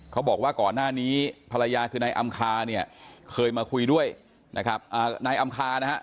ก่อนหน้านี้ภรรยาคือนายอำคาเนี่ยเคยมาคุยด้วยนะครับนายอำคานะฮะ